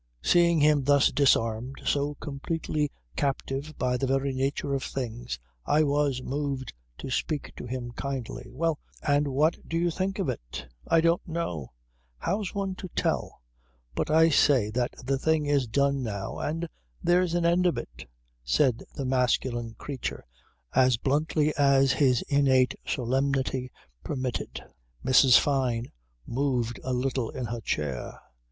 Seeing him thus disarmed, so completely captive by the very nature of things I was moved to speak to him kindly. "Well. And what do you think of it?" "I don't know. How's one to tell? But I say that the thing is done now and there's an end of it," said the masculine creature as bluntly as his innate solemnity permitted. Mrs. Fyne moved a little in her chair.